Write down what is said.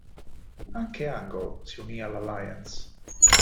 Anche Angle si unì all'Alliance.